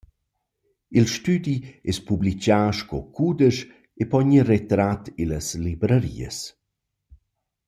Il stüdi es publichà sco cudesch e po gnir retrar illas librarias.